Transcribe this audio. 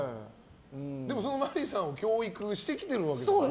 でもその麻里さんを教育してきてるわけですから。